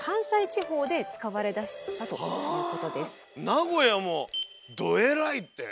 名古屋も「どえらい」って。